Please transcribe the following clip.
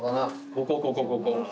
ここここここ。